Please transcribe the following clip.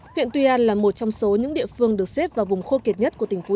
huyện tuy an là một trong số những địa phương được xếp vào vùng khô kiệt nhất của tỉnh phú yên